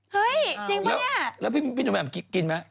เฮ้ยจริงปะเนี่ยแล้วพี่หนูแหม่มกินไหม